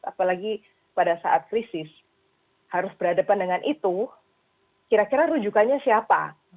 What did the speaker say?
apalagi pada saat krisis harus berhadapan dengan itu kira kira rujukannya siapa